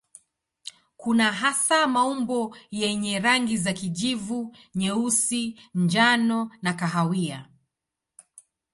Kuna hasa maumbo yenye rangi za kijivu, nyeusi, njano na kahawia.